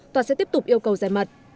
tòa sẽ tiếp tục yêu cầu giải mật